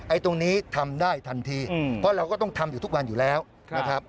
ตรงนี้ทำได้ทันทีเพราะเราก็ต้องทำอยู่ทุกวันอยู่แล้วนะครับ